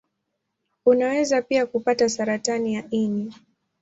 Unaweza pia kupata saratani ya ini.